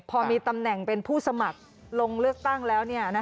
พอมีตำแหน่งเป็นผู้สมัครลงเลือกตั้งแล้ว